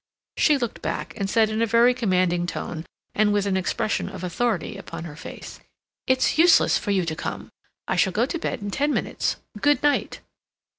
She looked back, and said in a very commanding tone, and with an expression of authority upon her face: "It's useless for you to come. I shall go to bed in ten minutes. Good night."